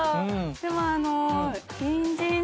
でもあの。